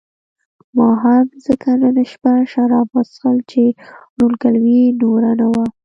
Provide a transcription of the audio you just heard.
ما هم ځکه نن شپه شراب وڅښل چې ورورګلوي نوره نه وه.